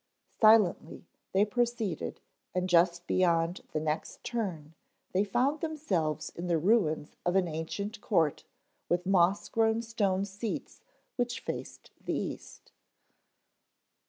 Silently they proceeded and just beyond the next turn they found themselves in the ruins of an ancient court with moss grown stone seats which faced the east.